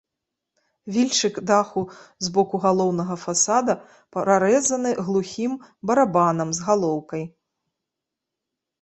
Вільчык даху з боку галоўнага фасада прарэзаны глухім барабанам з галоўкай.